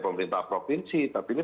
pemerintah provinsi tapi ini